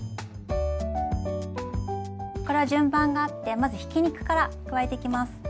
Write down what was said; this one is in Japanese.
これは順番があってまずひき肉から加えていきます。